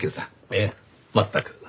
ええ全く。